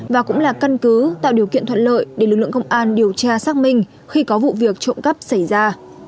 và cũng là căn cứ tạo điều kiện thuận lợi để lực lượng công an điều tra xác minh khi có vụ việc trộm cắp xảy ra